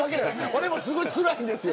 俺もすごいつらいんですよ。